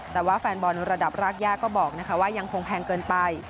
แต่ว่าแฟนบอลระดับรากย่าก็บอกว่ายังคงแพงเกินไป